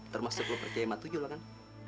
termasuk lo percaya emang tujuh lah kan